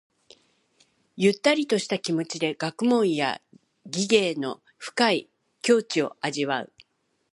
ゆったりとした気持ちで学問や技芸の深い境地を味わう。